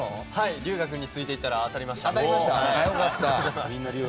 瑠雅君についていったら当たりました。